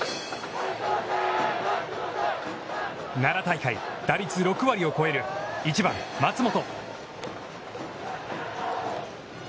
奈良大会打率６割を超える１番松本。